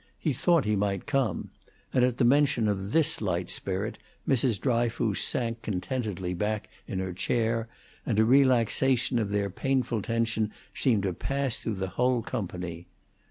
"He thought he might come"; and at the mention of this light spirit Mrs. Dryfoos sank contentedly back in her chair, and a relaxation of their painful tension seemed to pass through the whole company.